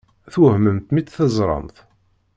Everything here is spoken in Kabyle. Twehmemt mi tt-teẓṛamt?